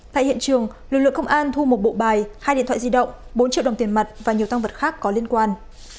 tại hiện trường lực lượng công an thu một bộ bài hai điện thoại di động bốn triệu đồng tiền mặt và nhiều tăng vật khác có liên quan